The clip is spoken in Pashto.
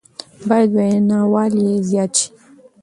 بايد ويناوال يې زياد شي